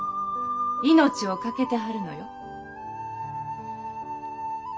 命を懸けてはるのよ。